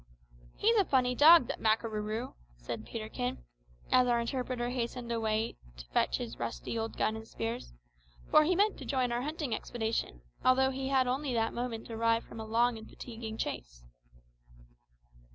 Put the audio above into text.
"He's a funny dog that Makarooroo," said Peterkin, as our interpreter hastened away to fetch his rusty old gun and spears; for he meant to join our hunting expedition, although he had only that moment arrived from a long and fatiguing chase.